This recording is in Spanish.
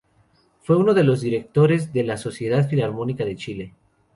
Fue uno de los directores de la Sociedad Filarmónica de Chile.